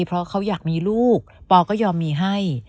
เพราะเขาอยากมีลูกปอก็ยอมมีให้